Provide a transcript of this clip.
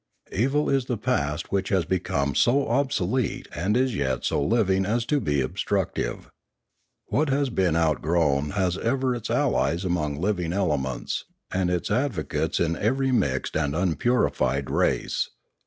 Evil is the past which has become so obsolete and is yet so living as to be obstructive. What has been outgrown has ever its allies among living elements, and its advo cates in every mixed and un purified race.